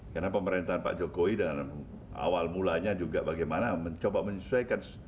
karena pemerintahan pak jokowi dalam awal mulanya juga bagaimana mencoba menyesuaikan